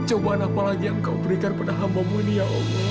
cobaan apalagi yang kau berikan pada hamba mu ini ya allah